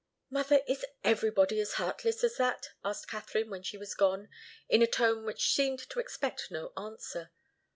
"Mother, is everybody as heartless as that?" asked Katharine when she was gone, in a tone which seemed to expect no answer.